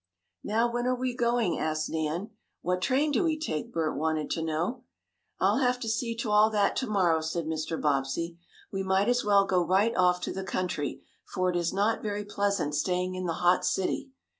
"Now when are we going?" asked Nan. "What train do we take?" Bert wanted to know. "I'll have to see to all that to morrow," said Mr. Bobbsey. "We might as well go right off to the country, for it is not very pleasant staying in the hot city.